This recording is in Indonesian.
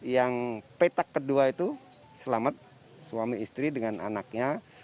yang petak kedua itu selamat suami istri dengan anaknya